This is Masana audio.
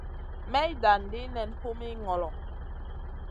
May dan ɗi nen humi ŋolo.